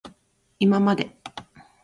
いままで